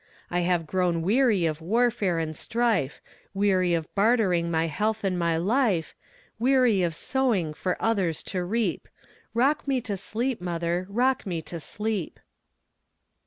I have grown weary of warfare and strife, Weary of bartering my health and my life, Weary of sowing for others to reap Rock me to sleep, mother, rock me to sleep.